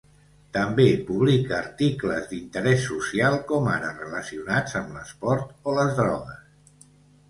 També publica articles d'interès social, com ara relacionats amb l'esport o les drogues.